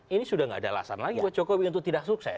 ini sudah tidak ada alasan lagi buat jokowi untuk tidak sukses